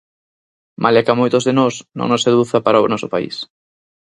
Malia que a moitos de nós non nos seduza para o noso País.